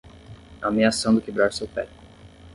Ameaçando quebrar seu pé